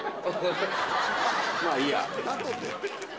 まあ、いいや。